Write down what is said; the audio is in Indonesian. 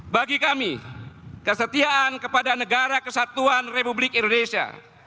bagi kami kesetiaan kepada negara kesatuan republik indonesia